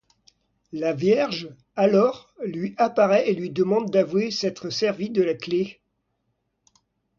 La Vierge, alors, lui apparaît et lui demande d'avouer s'être servie de la clef.